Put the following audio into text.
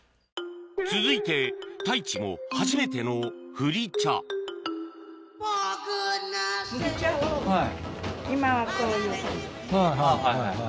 続いて太一も初めてのはいはいはい。